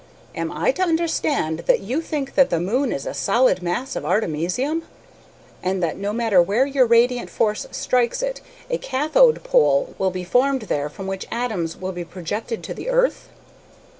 "Am I to understand that you think that the moon is a solid mass of artemisium, and that no matter where your radiant force strikes it a 'kathodic pole' will be formed there from which atoms will be projected to the earth?"